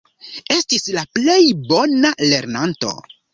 Estis la plej bona lernanto.